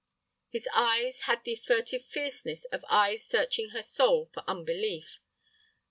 His eyes had the furtive fierceness of eyes searching her soul for unbelief.